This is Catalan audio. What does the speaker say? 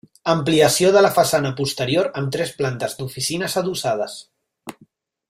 Ampliació de la façana posterior, amb tres plantes d'oficines adossades.